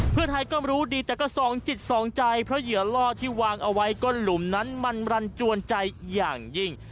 เพื่อไทยก็รู้ดีแต่ก็สองจิตสองใจเพราะเหยื่อล่อที่วางเอาไว้ก้นหลุมนั้นมันรันจวนใจอย่างยิ่ง